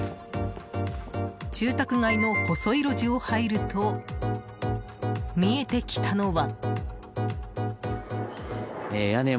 住宅街の細い路地を入ると見えてきたのは。